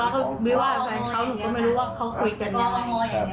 หนูก็ไม่รู้ว่าเขาคุยกันยังไง